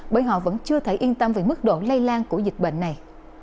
bởi họ vẫn chưa thể yên tâm về mức độ lây lan của dịch bệnh này